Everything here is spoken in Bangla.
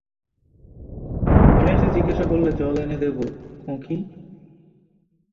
ঘরে এসে জিজ্ঞাসা করলে, জল এনে দেব খোঁখী?